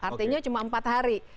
artinya cuma empat hari